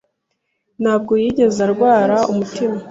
ntabwo yigeze arwara umutima.